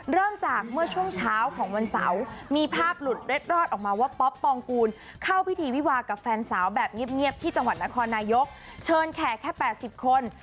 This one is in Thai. เริ่มจากเมื่อช่วงเช้าของวันเสาร์มีภาพหลุดเร็ดรอดออกมาว่าป๊อปปองกูลเข้าพิธีวิวากับแฟนสาวแบบเงียบที่จังหวัดนครนายกเชิญแขกแค่๘๐คน